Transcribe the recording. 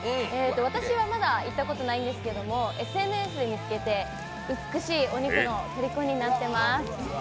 私はまだ行ったことないんですけどＳＮＳで見つけて美しいお肉のとりこになってます。